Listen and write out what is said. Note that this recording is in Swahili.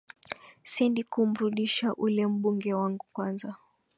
siendi kumrudisha ule mbunge wangu kwanza